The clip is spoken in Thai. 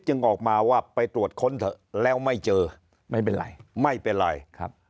ออกมาว่าไปตรวจค้นเถอะแล้วไม่เจอไม่เป็นไรไม่เป็นไรครับ